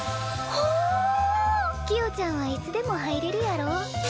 キヨちゃんはいつでも入れるやろ。